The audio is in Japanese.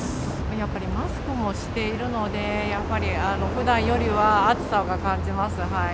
やっぱりマスクもしているので、やっぱりふだんよりは暑さが感じます。